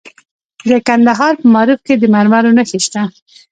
د کندهار په معروف کې د مرمرو نښې شته.